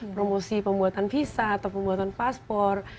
promosi pembuatan visa atau pembuatan paspor